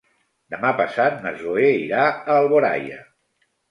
Demà passat na Zoè irà a Alboraia.